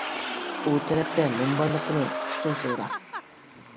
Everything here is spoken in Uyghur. ئۇ تەرەپتە نېمە بارلىقىنى قۇشتىن سورا!